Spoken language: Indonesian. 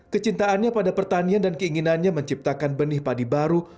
kecintaannya pada pertanian dan keinginannya menciptakan benih padi baru